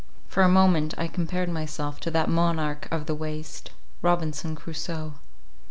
For a moment I compared myself to that monarch of the waste—Robinson Crusoe.